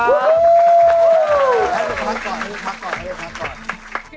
ให้เขาพักก่อน